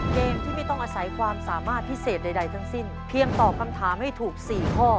เกมที่ไม่ต้องอาศัยความสามารถพิเศษใดทั้งสิ้นเพียงตอบคำถามให้ถูก๔ข้อ